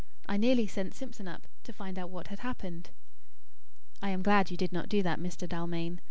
I nearly sent Simpson up, to find out what had happened." "I am glad you did not do that, Mr. Dalmain.